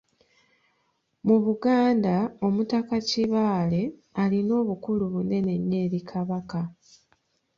Mu Buganda Omutaka Kibaale alina obukulu bunene nnyo eri Kabaka.